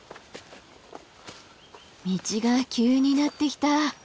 道が急になってきた。